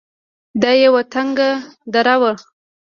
دا يوه تنگه دره وه.